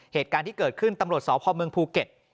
เหตุการณ์ที่เกิดขึ้นตำรวจสพเมืองภูเก็ต